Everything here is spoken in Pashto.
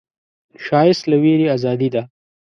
ښایست له ویرې ازادي ده